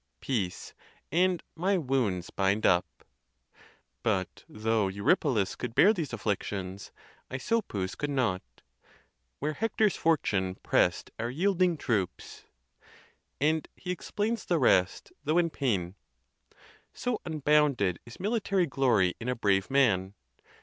Peace! and my wounds bind up; but though Eurypylus could bear these afflictions, Aisopus could not, Where Hector's fortune press'd our yielding troops ; and he explains the rest, though in pain. So unbounded is military glory in a brave man!